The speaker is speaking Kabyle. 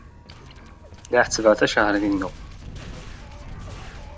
La ḥessbeɣ tacehṛit-inu.